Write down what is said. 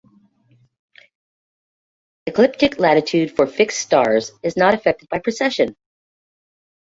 Ecliptic latitude for "fixed stars" is not affected by precession.